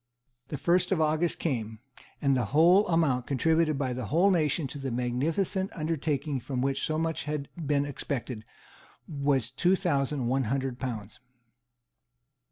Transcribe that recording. The first of August came; and the whole amount contributed by the whole nation to the magnificent undertaking from which so much had been expected was two thousand one hundred pounds.